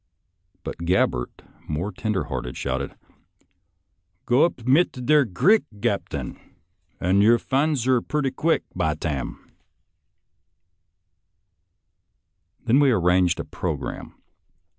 But Gabbert, more tender hearted, shouted: " Go up mit der grick, Gaptain, und yer fin's her purty quick, by tarn !" Then we arranged a programme.